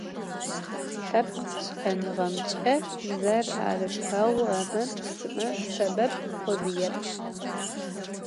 Lhepkh ş'enığemç'e bzer erıfeğu eme - psıme psebeb khodıêp.